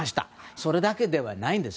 それだけではないんです。